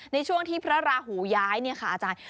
ในช่วงที่พระราหูย้ายเนี่ยค่ะอาจารย์